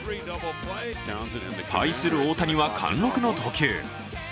対する大谷は貫禄の投球。